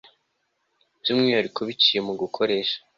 by umwihariko biciye mu gukoresha